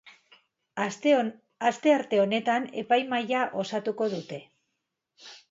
Astearte honetan epaimahaia osatuko dute.